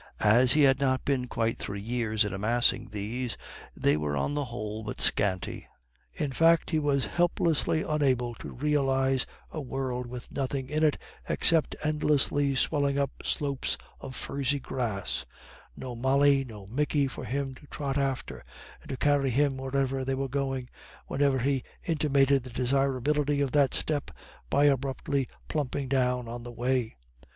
As he had not been quite three years in amassing these, they were on the whole but scanty. In fact, he was helplessly unable to realise a world with nothing in it except endlessly swelling up slopes of furzy grass, no Molly nor Micky for him to trot after, and to carry him wherever they were going, whenever he intimated the desirability of that step by abruptly plumping down on the way.